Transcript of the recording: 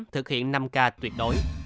thực hiện năm k tuyệt đối